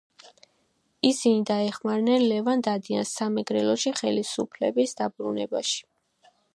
ისინი დაეხმარნენ ლევან დადიანს სამეგრელოში ხელისუფლების დაბრუნებაში.